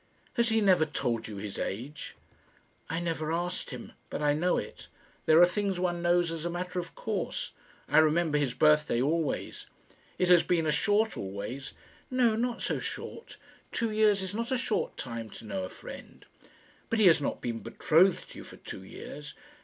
Has he never told you his age?" "I never asked him; but I know it. There are things one knows as a matter of course. I remember his birthday always." "It has been a short always." "No, not so short. Two years is not a short time to know a friend." "But he has not been betrothed to you for two years?"